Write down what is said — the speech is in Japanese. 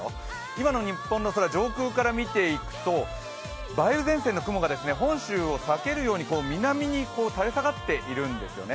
今の日本の空、上空から見ていくと梅雨前線の雲が本州を避けるように南に垂れ下がっているんですよね。